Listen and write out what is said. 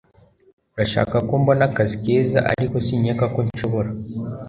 Urashaka ko mbona akazi keza ariko sinkeka ko nshobora